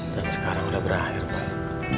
dan sekarang udah berakhir bang